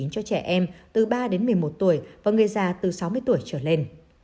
cho trẻ em từ ba đến một mươi một tuổi và người già từ sáu mươi tuổi trở lên